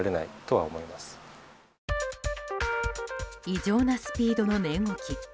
異常なスピードの値動き。